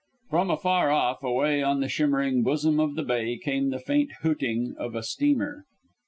From afar off, away on the shimmering bosom of the bay came the faint hooting of a steamer.